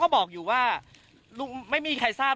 ก็ตอบได้คำเดียวนะครับ